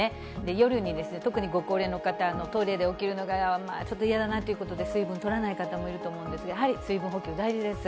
夜に、特にご高齢の方、トイレで起きるのがちょっと嫌だなということで、水分とらない方もいると思うんですけれども、やはり水分補給大事です。